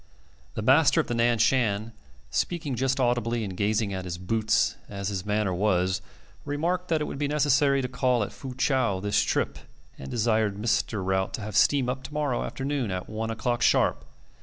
The master of the Nan Shan, speaking just audibly and gazing at his boots as his manner was, remarked that it would be necessary to call at Fu chau this trip, and desired Mr. Rout to have steam up to morrow afternoon at one o'clock sharp.